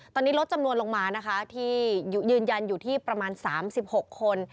ตอนนี้ลดจำนวนลงมานะคะที่ยืนยันอยู่ที่ประมาณ๓๖คน